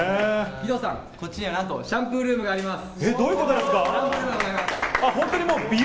義堂さん、こっちにはなんと、シャンプールームがあります。